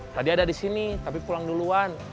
tadi ada disini tapi pulang duluan